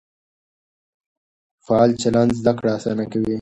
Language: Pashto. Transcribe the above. فعال چلند زده کړه اسانه کوي.